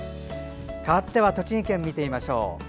かわっては栃木県見てみましょう。